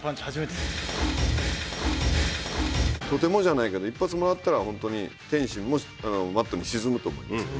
とてもじゃないけど一発もらったらホントに天心もマットに沈むと思いますね。